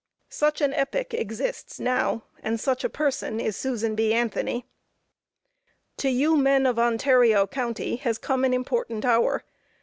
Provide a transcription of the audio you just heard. Such an epoch exists now, and such a person is Susan B. Anthony. To you, men of Ontario county, has come an important hour.